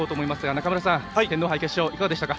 中村さん、天皇杯決勝いかがでしたか。